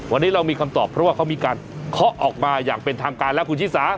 วันนี้เรามีคำตอบเพราะว่าเขามีการเคาะออกมาอย่างเป็นทางการแล้วคุณชิสา